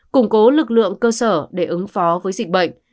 củng cố lực lượng cơ sở để ứng phó với dịch bệnh